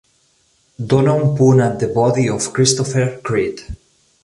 Dona un punt a The Body of Christopher Creed